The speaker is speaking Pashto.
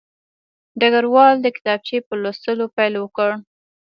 ډګروال د کتابچې په لوستلو پیل وکړ